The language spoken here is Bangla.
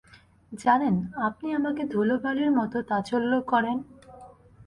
জানেন, আপনি আমাকে ধুলোবালির মতো তাচল্য করেন?